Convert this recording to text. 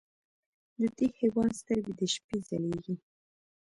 د دې حیوان سترګې د شپې ځلېږي.